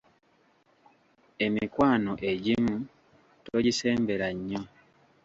Emikwano egimu togisembera nnyo.